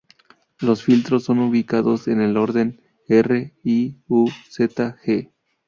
Los filtros son ubicados en el orden "r,i,u,z,g".